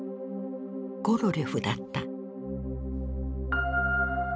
コロリョフだった。